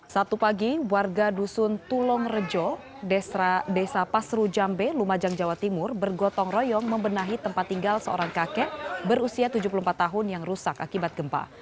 sabtu pagi warga dusun tulong rejo desa pasru jambe lumajang jawa timur bergotong royong membenahi tempat tinggal seorang kakek berusia tujuh puluh empat tahun yang rusak akibat gempa